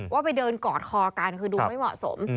ว่าไปเดินกอดคอกันคือดูไม่เหมาะสม